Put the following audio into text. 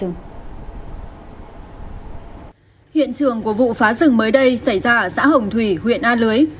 hiện trường của vụ phá rừng mới đây xảy ra ở xã hồng thủy huyện a lưới